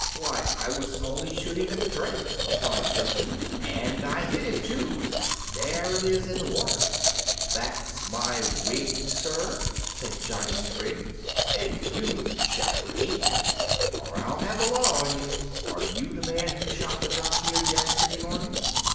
"Why, I was only shooting at the drake," replied Jimson; "and I hit it, too, for there it is in the water." "That's my wig, sir!" said Johnny Sprigg, "and you shall pay for it, or I'll have the law on you. Are you the man who shot the duck here yesterday morning?"